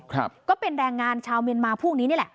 ก็เป็นแรงงานชาวเมียนมาพวกนี้นี่แหละ